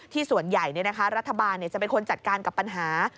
ส่วนใหญ่รัฐบาลจะเป็นคนจัดการกับปัญหา